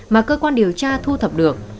mà cơ quan điều tra thu thập được